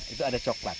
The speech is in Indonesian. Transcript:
itu ada coklat